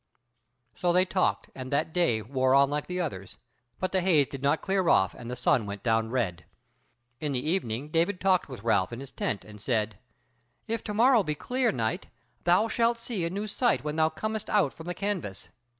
So they talked, and that day wore like the others, but the haze did not clear off, and the sun went down red. In the evening David talked with Ralph in his tent, and said: "If to morrow be clear, knight, thou shalt see a new sight when thou comest out from the canvas."